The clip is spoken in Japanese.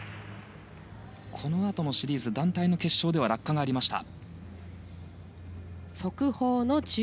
このあとのシリーズ団体決勝では落下がありました。